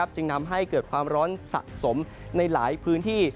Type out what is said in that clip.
จึงทำให้เกิดความร้อนสะสมในหลายพื้นที่